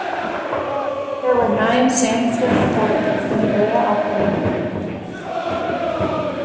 There were nine sandstone quarries in the area operating at the peak of production.